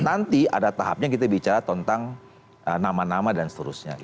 nanti ada tahapnya kita bicara tentang nama nama dan seterusnya